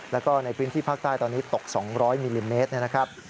แล้วก็ในพื้นที่ภาคใต้ตอนนี้ตก๒๐๐มิลลิเมตรนะครับ